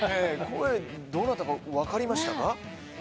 声、どなたか分かりましたか？